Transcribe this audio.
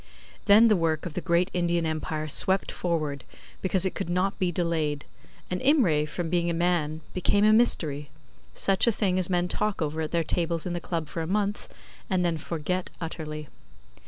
Then the work of the great Indian Empire swept forward, because it could not be delayed, and Imray from being a man became a mystery such a thing as men talk over at their tables in the Club for a month, and then forget utterly.